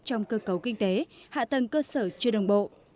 trong cơ cấu kinh tế hạ tầng cơ sở chưa đồng bộ